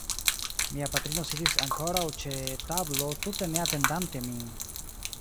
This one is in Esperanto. Mia patrino sidis ankoraŭ ĉe tablo tute ne atendante min.